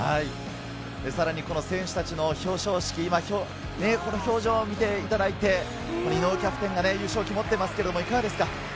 さらに選手達の表彰式、この表情を見ていただいて、井上キャプテン、優勝旗を持っていますがいかがですか？